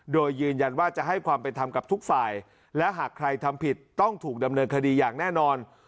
โดยยืนยันว่าจะให้ความเป็นธรรมกับทุกฝ่ายและหากใครทำผิดต้องถูกดำเนินคดีอย่างแน่นอน